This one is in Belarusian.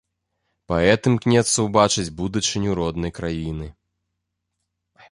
Паэт імкнецца ўбачыць будучыню роднай краіны.